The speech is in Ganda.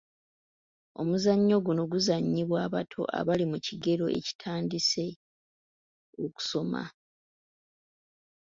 Omuzannyo guno guzannyibwa abato abali mu kigero ekitandise okusoma.